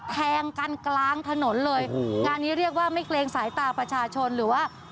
แทงกันกลางถนนเลยงานนี้เรียกว่าไม่เกรงสายตาประชาชนหรือว่า